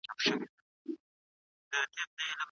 کمپيوټر کرارېدل هم لري.